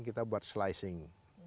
kita buat slicing